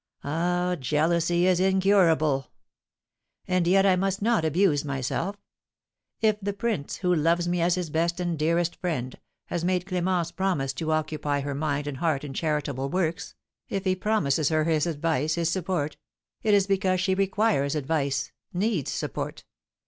Ah, jealousy is incurable! And yet I must not abuse myself. If the prince, who loves me as his best and dearest friend, has made Clémence promise to occupy her mind and heart in charitable works, if he promises her his advice, his support, it is because she requires advice, needs support.